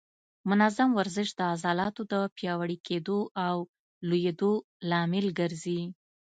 منظم ورزش د عضلاتو د پیاوړي کېدو او لویېدو لامل ګرځي.